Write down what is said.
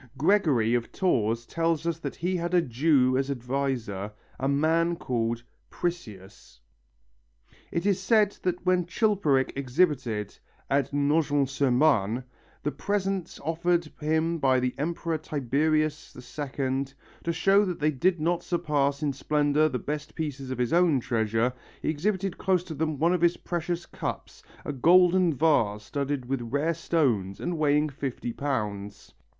Gregory of Tours tells us that he had a Jew as adviser, a man called Priseus. It is said that when Chilperic exhibited at Nogent sur Marne the presents offered him by the Emperor Tiberius II, to show that they did not surpass in splendour the best pieces of his own treasure, he exhibited close to them one of his precious cups, a golden vase studded with rare stones and weighing fifty pounds.